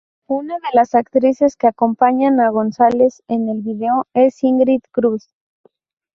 Una de las actrices que acompañan a González en el video es Ingrid Cruz.